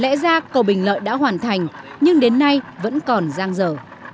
lẽ ra cầu bình lợi đã hoàn thành nhưng đến nay vẫn còn giang dở